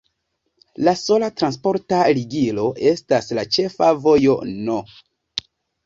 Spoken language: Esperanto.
La sola transporta ligilo estas la ĉefa vojo No.